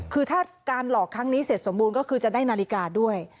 คือถ้าการหลอกครั้งนี้เสร็จสมบูรณ์ก็คือจะได้นาฬิกาด้วย